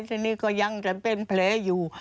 ทีนี้เขายังจะเป็นเพลย์อยู่